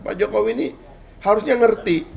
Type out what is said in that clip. pak jokowi ini harusnya ngerti